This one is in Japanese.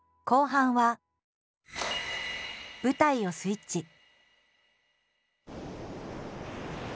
後半は舞台をスイッチ。